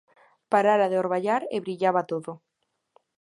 Parara de orballar e brillaba todo.